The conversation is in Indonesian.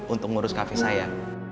untuk ngurus cafe saya